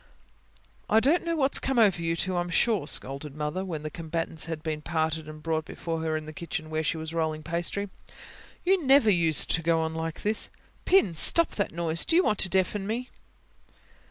"I don't know what's come over you two, I'm sure," scolded Mother, when the combatants had been parted and brought before her in the kitchen, where she was rolling pastry. "You never used to go on like this. Pin, stop that noise. Do you want to deafen me?"